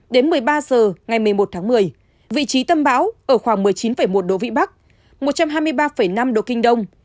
đến một mươi ba h ngày một mươi một tháng một mươi vị trí tâm bão ở khoảng một mươi chín một độ vĩ bắc một trăm hai mươi ba năm độ kinh đông